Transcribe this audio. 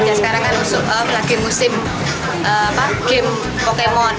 dan sekarang kan lagi musim game pokemon